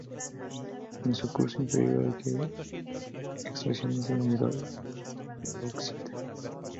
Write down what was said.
En su curso inferior hay extracciones de mineral de bauxita.